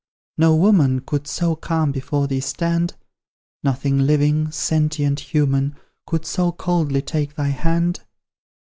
no woman Could so calm before thee stand? Nothing living, sentient, human, Could so coldly take thy hand?